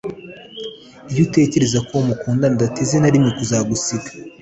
Iyo utekereza ko uwo mukundana adateze na rimwe kuzagusiga